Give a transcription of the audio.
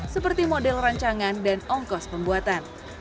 seperti model rancangan dan ongkos pembuatan